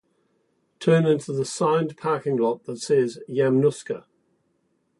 Turn into the signed parking lot that says Yamnuska.